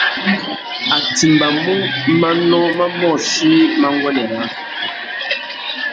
A timbamú manô mà môchï mà nguêndê râā.